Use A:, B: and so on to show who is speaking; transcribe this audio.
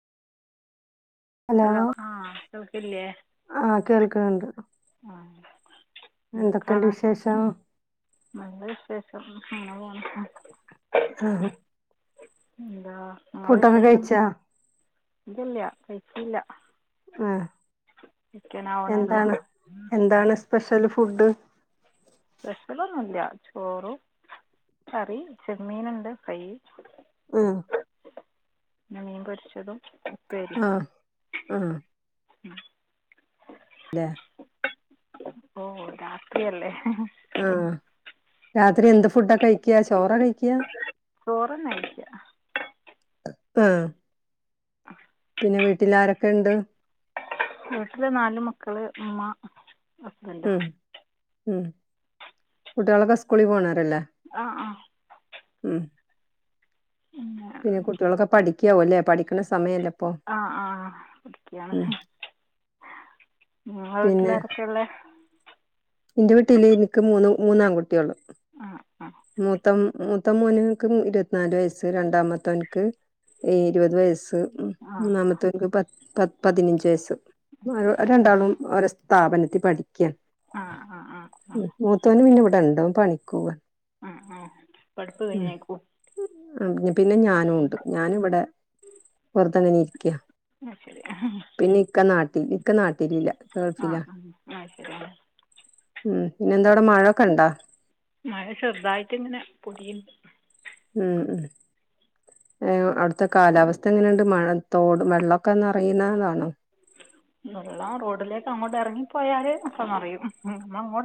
A: hello ആഹ് കേൾക്ക്ല്ലേ
B: ആഹ് കേൾക്ണ്ട്
A: ആഹ്
B: എന്തെക്കെണ്ട് വിശേഷം
A: നല്ല വിശേഷം അങ്ങനെപോണ്
B: ആഹ്
A: ഇന്താ
B: ഫുഡ്ഡ്ക്കെ കഴിചാ
A: ഇല്ലല്ല്യ കയ്ച്ചീല്ല
B: ആഹ്
A: ചിക്കനാവണെള്ളൂ
B: എന്താണ് എന്താണ് സ്പെഷ്യൽ ഫുഡ്ഡ്
A: സ്പെഷലൊന്നുല്ല ചോറും കറി ചെമ്മീന്ണ്ട് ഫ്രൈ
B: ഉം
A: മീൻ പൊരിച്ചതും ഉപ്പേ
B: അഹ് അഹ്
A: [inaudible]
B: ല്ലെ
A: ഓ രാത്രിയല്ലേ [unintelligible]
B: ആഹ് രാത്രി എന്ത് ഫുഡ്ഡകഴിക്ക ചോറ കഴിക്ക
A: ചോറന്നഴിക്ക
B: ആഹ്
A: [unintelligible]
B: പിന്നെ വീട്ടിലാരെക്കെണ്ട്
A: വീട്ടില് നാല് മക്കള് ഇമ്മ
B: ഉം ഉം കുട്ട്യാളൊക്കെ സ്കൂളിൽ പോണാരല്ലേ
A: ആഹ് ആഹ്
B: ഉം പിന്നെ കുട്ട്യാളൊക്കെ പഠി ക്കാവുല്ലേ പഠിക്ക്ണ സമയല്ലേ ഇപ്പൊ
A: ആഹ ആഹ ടിക്കാണ്
B: ഉം
A: നിങ്ങളെ വീട്ടിലാരക്കെള്ളെ
B: ഇന്റെ വീട്ടില് ഇൻക്ക് മൂന്ന് മൂന്ന ആങ്കുട്ട്യള്
A: ആ ആ
B: മൂത്തം മു ത്ത മോന്ക്ക് ഇരുപത്തിനാല് വയസ്സ് രണ്ടാമത്തോൻക്ക് ഇരുപത് വയസ്സ്
A: ആ
B: മൂന്നാമത്തോൻക്ക് പ പ പതിനഞ്ച് വയസ്സ്
A: അത് ശരി
B: ഒരണ്ടാളും ഓരോ സ്ഥാപനത്തി പഠിക്ക
A: ആഹ ആ ആഹ
B: ഉം മൂത്തോന് പിന്നെ ഇവിടെണ്ട് ഓൻ പണിക്കൊവാ
A: ഉം ഉം പഠിപ്പ് കഴ്ഞ്ഞേക്കു
B: ഉം പിന്നെ ഞാനും ഉണ്ട് ഞാനിവിടെ വെറുതെ അങ്ങനെ ഇരിക്ക
A: അഹ് ശരി [unintelligible]
B: പിന്നെ ഇക്ക നാട്ടിൽ ഇക്ക നാട്ടിലില്ല
A: ആഹ്
B: ഗൾഫിലാ
A: ആഹ് അഹ് ശരിയലെ
B: ഉം പിന്നെ എന്താഅവ്ടെ മഴൊക്കെണ്ടാ
A: മഴ ചെർതായിട്ട്ങ്ങനെ പൊടിയ്‌ണ്ട്
B: ഉം ഉം ഏഹ് അവ്ട്ത്തെ കാലാവസ്ഥ എങ്ങനെണ്ട് മഴ തോട് വെള്ളൊക്കെ നെറയുന്നതാണോ
A: വെള്ളം റോഡിലേക്കങ്ങോട്ട് എറങ്ങിപ്പോയാല് അപ്പൊ നറയും മ്മങ്ങോ